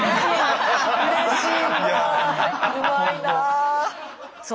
うまいなぁ。